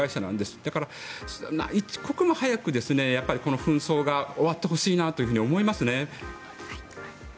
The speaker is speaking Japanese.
だから一刻も早くこの紛争が終わってほしいなと思いますね。